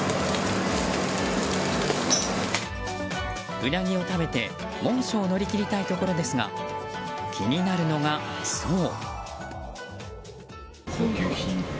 ウナギを食べて猛暑を乗り切りたいところですが気になるのが、そう。